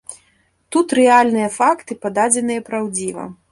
Тут рэальныя факты, пададзеныя праўдзіва.